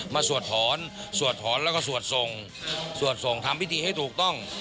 สวดถอนสวดถอนแล้วก็สวดส่งสวดส่งทำพิธีให้ถูกต้อง